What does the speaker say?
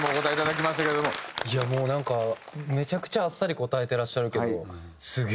いやもうなんかめちゃくちゃあっさり答えてらっしゃるけど。